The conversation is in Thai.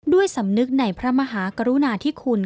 ด้วยสำนึกในพระมหากรุณาธิคุณ